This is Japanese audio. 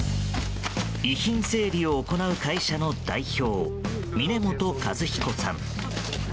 遺品整理を行う会社の代表峰本和彦さん。